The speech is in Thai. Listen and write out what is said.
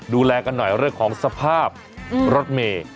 ดูแลกันหน่อยด้วยของสภาพรถเม